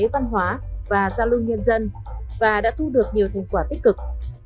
văn hóa và giao lưu nhân dân và đã thu được nhiều thành quả tích cực